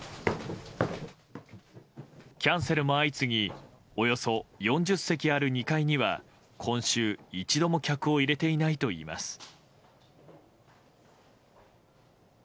キャンセルも相次ぎおよそ４０席ある２階には今週、一度も客を入れていないといいます。